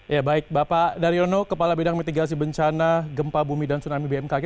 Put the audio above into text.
ya baik bapak daryono kepala bidang mitigasi bencana gempa bumi dan tsunami bmkg